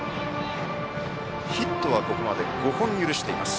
ヒットはここまで５本許しています。